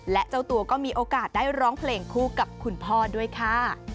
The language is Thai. และเจ้าตัวก็มีโอกาสได้ร้องเพลงคู่กับคุณพ่อด้วยค่ะ